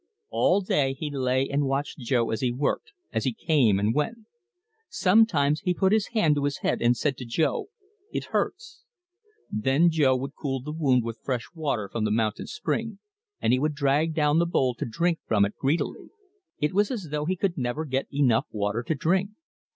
All day he lay and watched Jo as he worked, as he came and went. Sometimes he put his hand to his head and said to Jo: "It hurts." Then Jo would cool the wound with fresh water from the mountain spring, and he would drag down the bowl to drink from it greedily. It was as though he could never get enough water to drink.